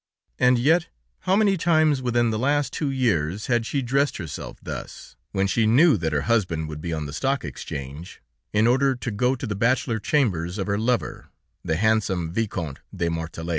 And yet, how many times within the last two years had she dressed herself thus, when she knew that her husband would be on the Stock Exchange, in order to go to the bachelor chambers of her lover, the handsome Viscount de Martelet.